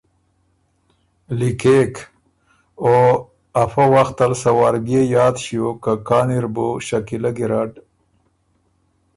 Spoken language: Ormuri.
لِکېک او افۀ وختل سۀ وار بيې یاد ݭیوک که کان اِر بُو شکیلۀ ګیرډ